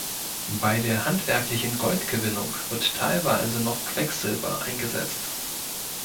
Bei der handwerklichen Goldgewinnung wird teilweise noch Quecksilber eingesetzt.